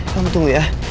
kamu tunggu ya